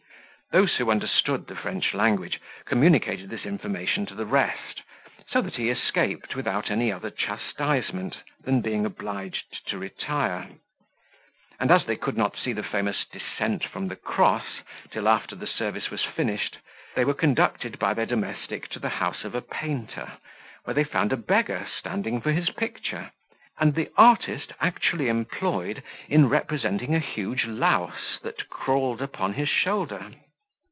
Those who understood the French language communicated this information to the rest, so that he escaped without any other chastisement than being obliged to retire. And as they could not see the famous Descent from the Cross till after the service was finished, they were conducted by their domestic to the house of a painter, where they found a beggar standing for his picture, and the artist actually employed in representing a huge louse that crawled upon his shoulder.